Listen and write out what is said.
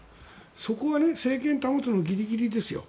そこは政権保つのにギリギリですよ。